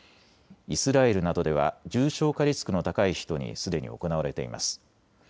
イスラエルなどでは重症化リスクの高い人にすでに行われています。